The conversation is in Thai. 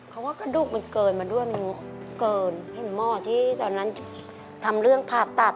เพราะว่ากระดูกมันเกินมาด้วยมันเกินเห็นหมอที่ตอนนั้นทำเรื่องผ่าตัด